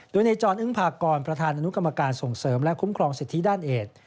โดยในจรอึ้งพากรประธานอนุกรรมการส่งเสริมและคุ้มครองสิทธิด้านเอก